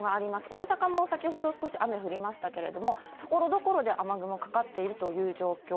大阪も先ほど少し雨降りましたけれども、ところどころで雨雲かかっているという状況。